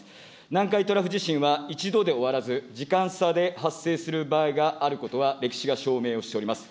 南海トラフ地震は一度で終わらず、時間差で発生する場合があることは歴史が証明をしております。